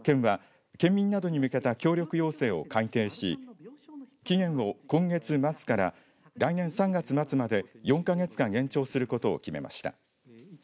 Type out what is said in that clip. これを踏まえて、県は県民などに向けた協力要請を改訂し期限を今月末から来年３月末まで４か月間延長することを決めました。